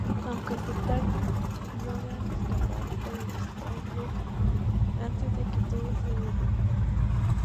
Aunque se tardan, logran escapar por el Stargate antes de que todo se derrumbe.